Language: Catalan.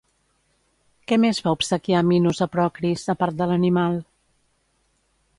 Què més va obsequiar Minos a Procris, a part de l'animal?